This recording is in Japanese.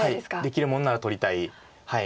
できるもんなら取りたい。